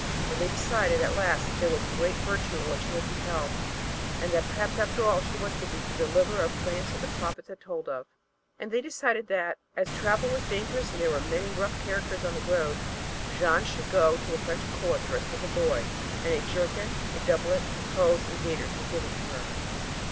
But they decided at last that there was great virtue in what she had beheld and that perhaps after all she was to be the deliverer of France that prophets had told of. And they decided that, as travel was dangerous and there were many rough characters on the road, Jeanne should go to the French Court dressed as a boy, and a jerkin, a doublet, hose and gaiters were given to her.